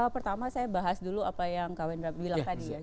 pertama saya bahas dulu apa yang kak wendra bilang tadi ya